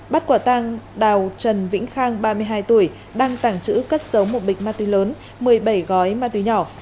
bắt quả tăng đào trần vĩnh khang ba mươi hai tuổi đang tảng trữ cất giống một bịch ma túy lớn một mươi bảy gói ma túy nhỏ